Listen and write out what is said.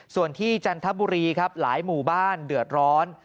ส่วนที่จันทบุรีครับหลายหมู่บ้านเดือดร้อน